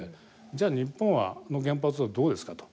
じゃあ日本の原発はどうですかと。